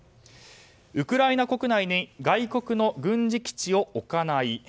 ウクライナ国内に外国の軍事基地を置かない。